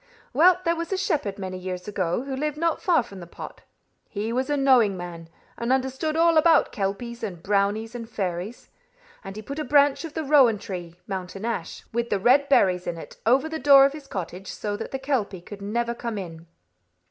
"Well, there was a shepherd many years ago, who lived not far from the pot. He was a knowing man, and understood all about kelpies and brownies and fairies. And he put a branch of the rowan tree (mountain ash), with the red berries in it, over the door of his cottage, so that the kelpie could never come in.